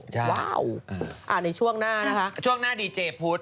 ว้าวในช่วงหน้านะคะช่วงหน้าดีเจพุทธ